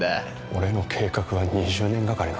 俺の計画は２０年がかりなんだよ。